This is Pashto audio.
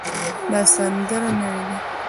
دا سندره نوې ده